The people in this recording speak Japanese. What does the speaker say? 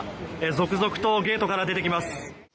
続々とゲートから出てきます。